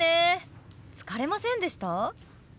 疲れませんでした？